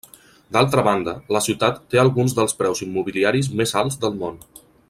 D'altra banda, la ciutat té alguns dels preus immobiliaris més alts del món.